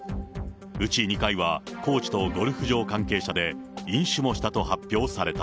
うち２回は、コーチとゴルフ場関係者で、飲酒もしたと発表された。